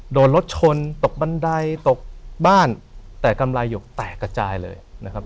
โดนรถชนตกบันไดตกบ้านแต่กำไรหยกแตกกระจายเลยนะครับ